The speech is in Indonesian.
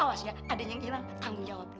awas ya ada yang hilang tanggung jawab